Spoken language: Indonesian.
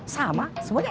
sama semuanya enak